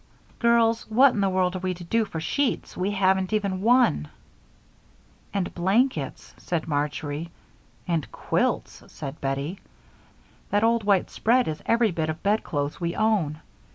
Girls, what in the world are we to do for sheets? We haven't even one." "And blankets?" said Marjory. "And quilts?" said Bettie. "That old white spread is every bit of bedclothes we own.